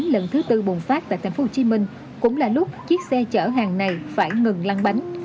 lần thứ tư bùng phát tại tp hcm cũng là lúc chiếc xe chở hàng này phải ngừng lăng bánh